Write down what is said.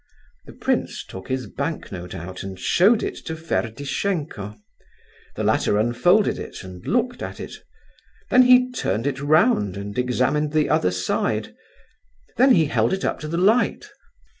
The prince took his banknote out and showed it to Ferdishenko. The latter unfolded it and looked at it; then he turned it round and examined the other side; then he held it up to the light.